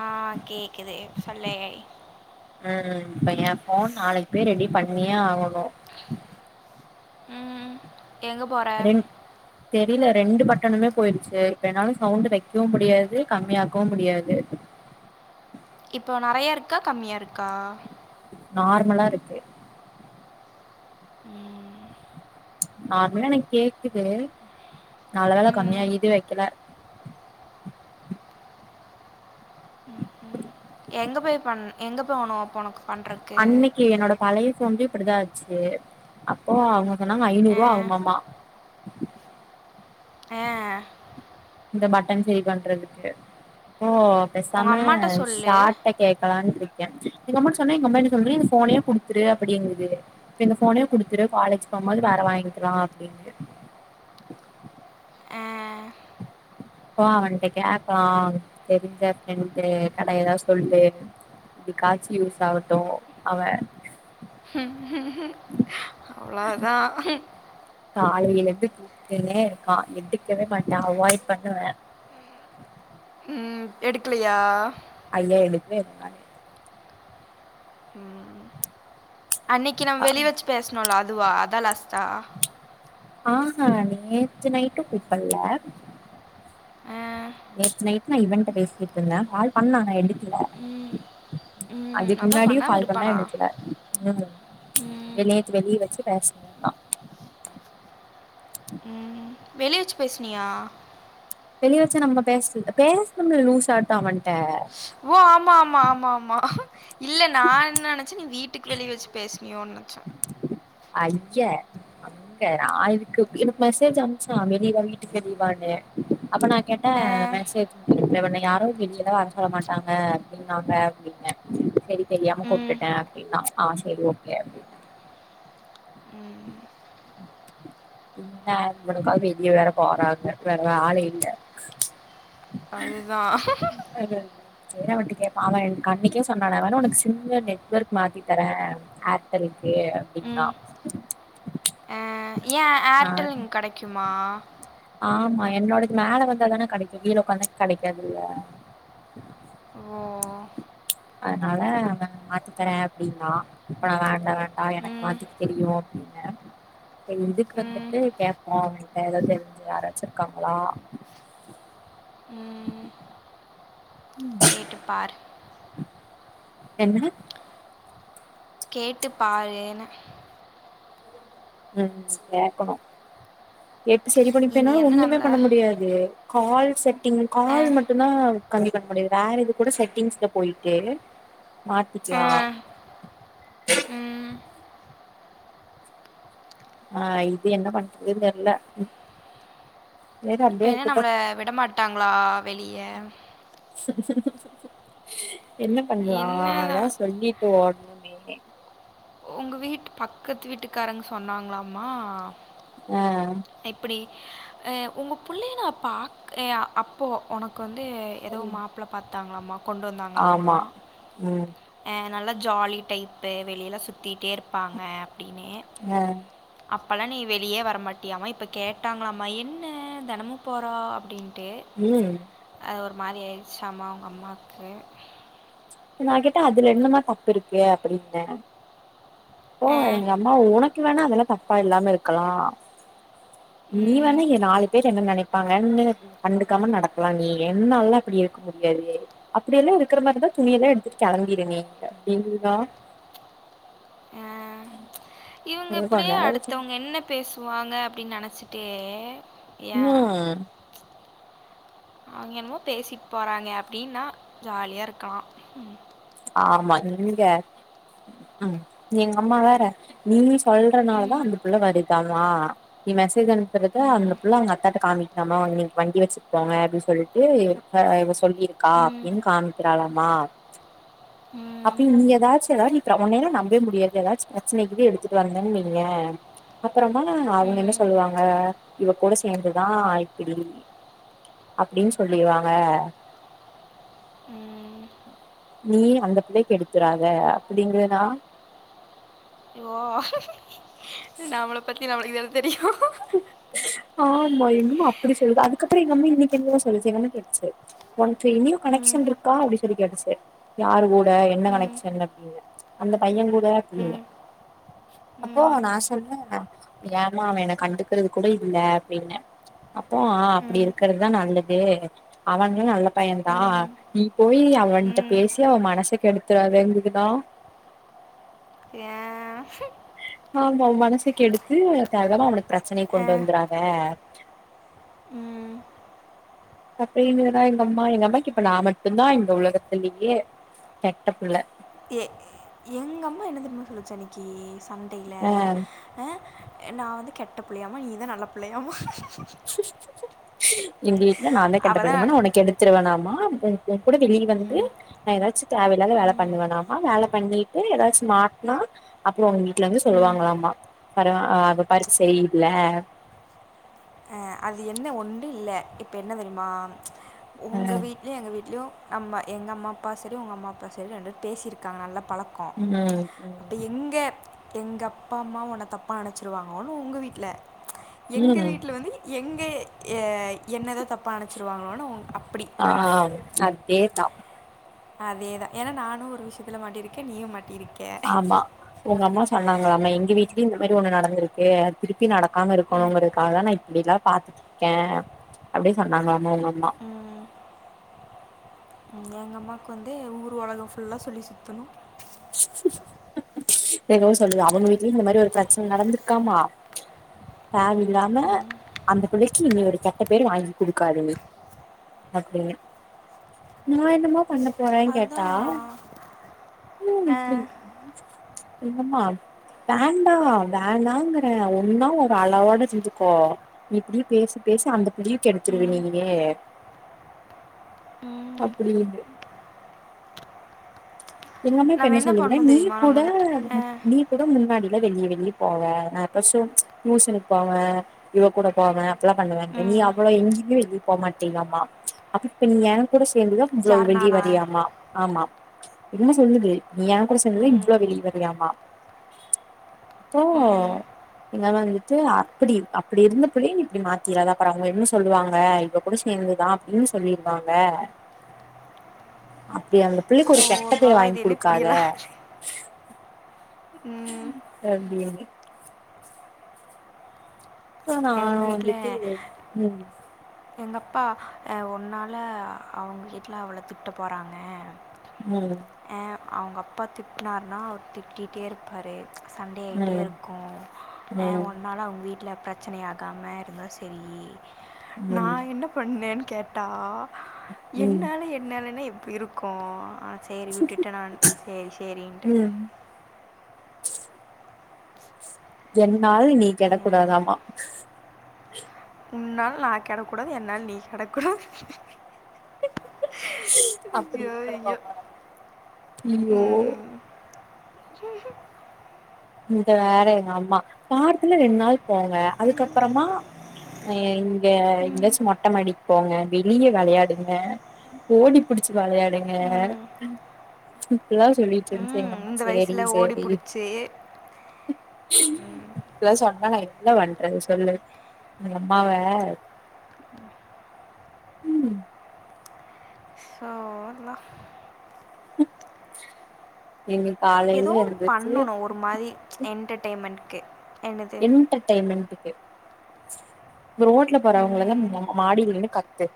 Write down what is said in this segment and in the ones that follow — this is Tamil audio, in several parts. ஆ கேக்குது சொல்லே ம் இப்ப எ போன் நாளைக்கு பேர் ரெடி பண்ணியே ஆகணு ம் எங்க போற தீல ரெண்டு பட்டனுமே போயிருச்சி இப்ப என்னால சவுண்டு வைக்கவும் முடியாது கம்மியாக்கவும் முடியாது இப்போ நறையா இருக்கா கம்மியா இருக்கா நார்மலா இருக்கு ம் நார்மலா எனக்கு கேக்குது நல்ல வேல ம் கம்மியா இது வக் கில எங்க போய் பண் எங்க போவணும் இப்ப ஒனக்கு அன்னைக்கு என்னோட பழைய ஃபோன்ல அப்டிதா ஆச்சி அப்போ அவங்க சொன்னாங்க ஆ ஐநூரூபா ஆவுமாமா ஆ இந்த பட்டன் சேரி பண்றதுக்கு இப்போ உங்கள் பேசாம அம்மாட்ட சொல்லு ஷாட்ட கேக்கலான்னு இரு எங்க அம்மாட்ட சொன்ன எங்க அம்மா என்ன சொல்லுது இந்த ஃபோனே குடுத்துரு அப்டிங்கிது இப்ப இந்த ஃபோனே குடுத்துரு காலேஜ் போமோது வேற வாங்கிக்கலா அப்டின்னு ஆ ஓ அவன்ட்ட கேக்கலான் தெரிஞ்ச ஃப்ரெண்டு கட எதா சொல்லு எதுகாச்சி யூஸ் ஆகட்டும் அவன் அவ்ளோதா காலையில இருந்து கூப்ட்டுன்னே இருக்கான் எடுக்கவே மாட்டா அவாய்ட் பண்ணுவ ம் எடுக்கலையா ஐயா எடுக்கவே இல்ல நானு அன்னைக்கு நம்ம அ வெளிவச்சி பேசுணோம் இல்ல அது அதுவா அதா லாஸ்ட்டா ஆஹ நேத்து நைட்டும் பிக் பண்ணல ஆ நேத்து நைட்டு நா இவன்ட்ட பேசிக்கிட்டு இருந்தன் கால் பண்ண ஆனா எடுக்கல ம் ம் அதுக்கு அதான் முன்னாடியும் பண்ணாமல் கால் பண்ண இருப்பானா எடுக்கல ம் வெளிய வெளிய வச்சி பேசனுனா வெளிய வச்சி பேசனியா வெளியவச்சி நம்ம பேச பேசல லூஸ் ஆட்டம் அவன்ட்ட ஓ ஆமா ஆமா ஆமா ஆமா இல்ல நானு நெனைச்சி நீ வீட் டுக்கு வெளிய வச்சி பேசனியோ யோன்ன ச்ச ஐய அங்க நா எதுக்கு பே எனக்கு மெசேஜ் அம்ச்சான் வெளிய வா வீட்டுக்கு வெளிய வானு அப்ப நா கேட்டன் அ, மெசேஜி மு இவண்ண யாரும் வெளியில வர சொல்ல மாட்டாங்க அப்டின்னாங்க அப்டின்னே சேரி தெரியாம ம். கூப்டுடே அப்டின்னா ஆ சேரி ஓகே அப்டி என்ன இவனுக்காக வெளிய வேற போறாங்க வேற வேல இல்ல அதுதான் கேட்பான் அவன் அன்னைக்கே சொன்னா நான் வேனா உனக்கு சிம் நெட்வொர்க் மாத்தி தரேன் ஆர்டெலுக்கு அப்டின்னா ம். அ ஏன் நா ஏர்டெல் இங்க கிடைக்குமா ஆமா என்னோட மேல வந்தா தானே கடைக்கும் கீழ உட்காந்தா கிடைக்காதுல்ல ஓ! அதனால அவன் மாத்தி தரேன் அப்டின்னா இப்ப நான் வேண்டாம் வேண்டாம் எனக்கு ம், மாத்திக தெரியும் அப்படின்னே சரி இதுக்கு ம், வந்துட்டு கேட்போம் அவனிட்ட ஏதாவது தெரி யாராச்சும் இருக்காங்களா கேட்டுப்பாரு என்ன கேட்டு பாருனே உம் கேக்கணும் எப்டி சரி இனி பண்ணிப்பேனா என்ன ஒண்ணுமே நம்மள பண்ண முடியாது ஆல் செட் இங்க அ, கால் மட்டும் தான் கன்டிப்பா முடியாது வேற எது கூட செட்டிங்ஸ்ல போயிட்டு அ, மாத்திக்கலாம் ம். ஆஹ் இது என்ன பண்றதுன்னு தெர்ல சரி இப்ப அப்டியே என்ன இருக்கட்டு நம்மள விடமாட்டாங்களா வெளியே சரி சரி சொல்லு சரி என்ன பண்ணலாம் என்னதான் ஏதாவது சொல்லிட்டு ஓ எல்லாமே உங்க வீட்டு பக்கத்து வீட்டுக்காரங்க சொன்னாங்களாமா ஆஹ் உங்க புள்ளைய நான் பாக்றேன் அப்போ உனக்கு அ வந்து ஏதோ மாப்பிள பார்த்து பாத்துருங்கலாமா கொண்டு வந்தாங்கலாமா ஆமா ம் நல்ல ஜாலி டைப்பு வெளியிலாம் சு சுத்திட்டே இருப்பாங்க அப்டின்னு ஆ அப்ப பழனி வெளியே வரமாட்டியாமா இப்போ கேட்டாங்களாமா என்ன தெனமும் போறா அப்படின் டு ம் அப்புறம் ஒரு மாதிரி ஆச்சாம அவங்க அம்மாவுக்கு நான் கேட்டா அதுல என்னமா தப்பு இருக்கு அப்படினே போ அஹ் எங்க அம்மா உனக்கு வேணா அதல்லா அப்பா இல்லாம இருக்கலா நீ உம் வந்து இங்க நாலு பேரு என்ன நினைக் இருப்பாங்கன்னு கண்டுக்காம நடக்கலா நீ என்னால்லா அப்படி இருக்க முடியாது அப்படியெல்லா இருக்கிற மாரிதா துணியல்லா எடுத்துட்டு கிளம்பிரு நீங்க நீங்க அ இவங்க எனக்கு கொஞ்ச இப்படியே நேரோ இருந்துச்சு அடுத்தவங்க என்ன பேசுவாங்க அப்டின்னு நினைச்சு டே ம் அவுங்க என்னமோ பேசிட்டு போறாங்க அப்படின்னா ஜாலியா இருக்கலா ம் ஆமா நீங்க ம் எங்க அம்மா வேற நீ சொல்றனாலதா ம் அந்த பிள்ள வருதாம் தா [unintelligible] மெசேஜ் அனுப்பாத அந்த ம் பிள்ள அவுங்க அத் கத்தாட்ட காமிக்கினுமோ இன்னைக்கு வண்டி வச்சுப்போங்க அப்படின்னு சொல்லிட்டு ஆ இவ சொல்லியிருக்கா ம் ன் காமிக்கிறாளாமா ம் அப்படி நீங்க ஏதாச்சு ஏதாவது நீ இப்ப உன்னை எல்லா நம்பவே முடியாது ஏதாச்சு பிரச்சன கிது எடுத்துட்டு வந்தேன்னு வையே அப்புறமா அவுங்க என்ன ம் சொல்லுவாங்க இவ கூட சேர்ந்துதா இப்படி அப்படின்னு சொல்லுவாங்க ம் நீ அந்த பிள்ளைக்கு கெடுத்துறாத அப்படிங்கறனா ஓ நம்மள பத்தி நம்மளுக்கு தானே தெரியு ஆமா என்ன அப்படி சொல்லுது அதுக்கப்புறோ எங்க அம்மா என்னல சொல்லிச்சு என்னனு கேட்டுச்சு உனக்கு எங்கேயோ ம் கனெக்ஷன் இருக்கா அப்படி சொல்லி கேட்டுச்சு யாரு கூட என்ன ம் கனெக்ஷன் அப்படின்னு அந்த பையன் கூட அப்படினே ம் அப்போ ம் நா சொன்னே ஏமா அவ எனக் கண்டுக்கிறது கூட இல்ல அப்படினே அப்போ அப்படி ம் இருக்கிறதுதா நல்லது அவனு நல்ல பயன்தா ம் நீ போயி அவனிட்ட ம் பேசி அவ மனச கெடுத்துறாதகுது டா ஏ நாம அவ மனச கெடுத்து தவறா அவனுக்கு பிரச்சனைைய ஆ, கொண்டு வந்துறாத ம் அப்பறோ இவுங்க தா எங்க அம்மா எங்க அம்மா கிட்ட நா மட்டு தா இந்த உலகத்திலேயே கெட்ட புள்ள ஏ எங்க அம்மா என்ன தெரியுமா சொல்லு ச்சு அன்னைக்கு சண்டையில ஆ நா வந்து கெட்ட பிள்ளையாமா நீதா நல்ல பிள்ளையாமா [unintelligible] [unintelligible] இல்ல நா தா கெட்ட அவள் புள்ளயாமா தான் உன்ன கெடுத்துருவேனாமா ஆம் [unintelligible] கூட வெளியில வந்து நா ஏதாச்சு தேவையில்லாமா வேல பண்ணுவேண்ணாமா வேல பண்ணிட்டு ஏதாச்சு மாட்னா அப்புறோ உங்க வீட்டுல வந்து சொல்லுவாங்களாம்மா பர அ அது பருப்பு சரியில்ல அ அது என்ன ஒன்டு இல்ல இப்ப என்ன தெரியுமா உங்க வீட்லயு எங்க வீட்லயு அம்மா எங்க அம்மா அப்பா சரி உங்க அம்மா அப்பா சரி ரெண்டு பேசியிருக்காங்கல்ல பழக்கோ ம் அப்ப எங்க எங்க அப்பா அம்மா உன்ன தப்பா நனச்சுருவாங்களோனு உங்க வீட்டுல எங்க ம் வீட்டுல வந்து எங்கே என்ன ஏதாவது தப்பா நனச்சிருவாங்களோன்னு உங்க அப் ஆ அப் அதே தா அதேதா ஏன்னா நானு ஒரு விஷயத்துல மாட்டிருக்கே நீயு மாட்டிருக் ஆமா உங்க அம்மா சா சொன்னாங்களாமா எங்க வீட்லயு இந்த மாரி ஒண்ணு நடந்திருக்கு திருப்பி நடக்காம இருக்கணுங்கறக்காகதான் நா இப்டில்லா பார்த்துட்ருக்கே அப்டின்னு சொன்னாங்களாமா உங்க அம்மா ம். எங்க அம்மாவுக்கு வந்து ஊர் உலகோ ஃபுல்லா சொல்லி சுத்தணு ஏதுவு சொல்லுவ அவுங்க வீட்லயு இந்த மாரி ஒரு பிரச்சன நடந்திருக்காமா பாவோ இல்லாம அந்த பிள்ளைக்கு இனி ஒரு கெட்ட பேரு வாங்கி குடுக்காதனு அப்டின்னு நா என்னமா பண்ண போறேனு கேட்டா அதுதான் உ அ இப்டி ப் ச் என்னம்மா வேண்டா வேண்டாங்கறே ஒன்னா ஒரு அளவோட ருன்சுக்கோ நீ இப்டியே பேசி பேசி அந்த பிள்ளயு கெடுத்துருவே ம். நீனுயே ம். அப்படினு எல்லாமே நம்ம இப்பென்ன என்ன சொல்றீங்க பண்ணணும் நீ தெரியுமா நம்ம கூட வந்துட்டு அஹ், நீ கூட முன்னாடி ல்ல வெளிய வெளிய போவோ நா ப ஸு டியுஸனுகு போவ இவ கூட போவே அப்டிலா பண்ணுவேங்க நீ ம், அவள எங்கயே வெளியே போ மாட்டிலாமா அப்ப இப்ப நீ எ கூட [unintelligible] ஃபந்து யார் வெளிய நானா வாரியாமா ஆமா என்ன சொல்லுது நீ கூட சேந்தது இவ்ளு ம், வெளிய வ யாமா தோ ம், எங்கம்மா இந்துட்டு அப்டி அப்டி இருந்த புள்ளய இப்டி மாத்திராத அப்றவங் என்ன சொலுவாங்க இவ கூட சேந்துதா அப்டின் சொல்லிருவாங்க அப்டி அந்த ஸோ பிள்ளைக்குரிய கப்பே அதான் வாங்கி இது என்ன குடுக்காத உ [unintelligible] ஓகே நா எங்கள் வந்துட்டு உ எங்கப்பா அ ஒன்னால அ அவங்க வீட்ல அவள திட்ட போறாங்க உ அவங்கப்பா திட்னார்னா அவர் திட்டிட்டேயிருப்பாரு சண்டே ம் ஆயிட்டேருக்கு ஆ ம் உன்னால அவங்க வீட்ல ச்சன ஆக்காம இருந்தா செரி நா ம் என்ன பண்ணே கேட்டா ம் என்னால என்னாலன்னா எப் இருக்கு ஆ சேரி விட்டுட்ட நானு சேரி சேரின்ட்டு ம் என்னால நீ கெடக்கூடாதாம்மா உன்னால நா கெடக்கூடாது என்னால நீ கெடக்கூடாது அப்பிடி ஐயோ இருக்கறமாம்மா நம்ம அய்யோ சஹும் இங்க வேற எங்க அம்மா வாரத்துல ரெண்ட் நாள் போங்க அதுக்கப்புறமா ஆ இங்க எங்காச்சு மொட்ட மாடிக்கு போங்க வெளிய வெளையாடுங்க ஓடி புடிச்சு வெளையாடுங்க ம், இப்டிலா சொல்லிட்டு இருந்துச்சு ம், எங்கம்மா இந்த சேரி வயசில் ஓடி சேரி பிடிச்சி இப்பிடிலா சொன்னா நா என்ன பண்றது சொல்லி எங்கம்மாவ ம் ஸோ அதெல்லாம் டுப் எதோ ஒன்னு பண்ணணு ஒரு மாரி என்டர்டைமெண்ட் க்கு என்ட்டர்டைமெண்ட்டு க்கு இது ரோட்ல போறவங்களலா ம், மா மாடில நின்னு கத்து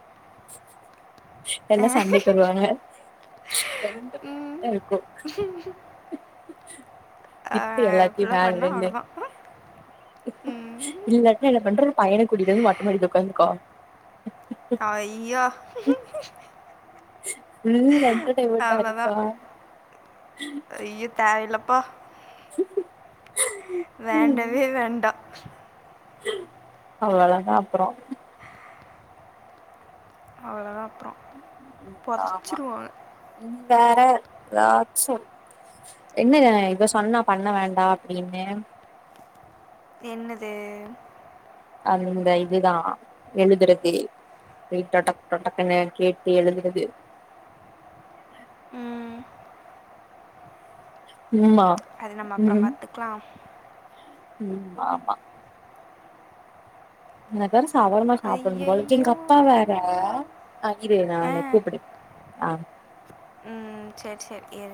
எல்லா சண்டைக்கி வருவாங்க என்டர்டைமென்ட்டா இருக்கு இப் டி ஆஹ் எல்லாத்தயு இப்படிலாம் மேல பண்ணால் நின்னு அவ்வளோதான் ம். இல்லாட்டினா என்ன பண்ற பையன கூட்டிட்டு வந்து மொட்ட மாடில உக்காந்துக்கோ ஐயோ ஃபுல் என்டர்டைன்மெண்ட்டா அவ்வளோதான் இருப்பா ஐயோ தேவயில்லப்பா வேண்டவே வேண்டா [unintelligible] அவ்ளதா நா அப்புறோ ம் பொதச்சுருவாங்க வேற எதாச்சு என்ன இத சொன்னா பண்ண வேண்டா அப்டின்னு என்னது அந்த இதுதா எழுதறது ரைட்டா டக்கு டக்குன்னு கேட்டு எழுதறது ம், [unintelligible] அது நம்ம அப்புற ம் பாத்துக்கலா ம் ஆமா நகர சவர்மா சாப்பனுபோல எங்க ஐயையோ அப்பா வேற ஆ இரு ஆ நானு கூப்படு ஆ ம் செரி செ ஏ